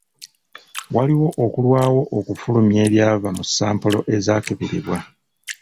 Waliwo okulwawo mu kufulumya ebyava mu sampolo ezaakeberebwa.